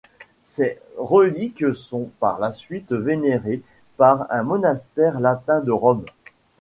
Ses reliques sont par la suite vénérées dans un monastère latin de Rome.